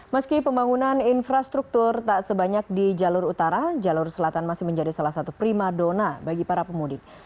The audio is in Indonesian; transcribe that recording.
meski pembangunan infrastruktur tak sebanyak di jalur utara jalur selatan masih menjadi salah satu prima dona bagi para pemudik